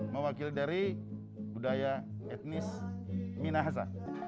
mewakili dari budaya etnis minahasa